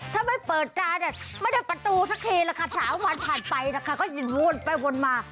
ถ้าไม่เปิดตาซะไม่ไดอประตูซะครีนสามวันผ่านไปที่กระหวนไปวนมา